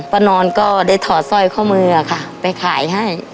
ป้านอนก็ได้ถอดสร้อยข้อมือค่ะไปขายให้